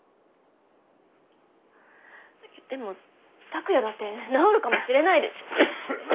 でも拓哉だって治るかもしれないでしょ。